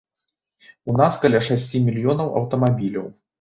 У нас каля шасці мільёнаў аўтамабіляў.